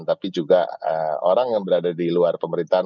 tapi juga orang yang berada di luar pemerintahan